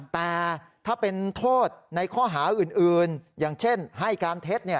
แต่ถ้าเป็นโทษในข้อหาอื่นอย่างเช่นให้การเท็จ